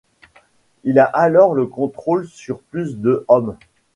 Il a alors le contrôle sur plus de hommes.